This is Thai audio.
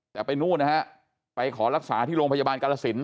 แต่ไปนู่นนะฮะไปขอรักษาที่โรงพยาบาลกาลสิน